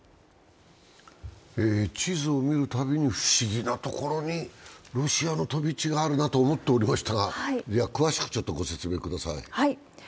地図を見るたびに、不思議な所にロシアの飛び地があるなと思っておりましたが詳しく御説明ください。